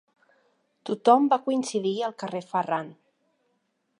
Tothom va coincidir al carrer Ferran.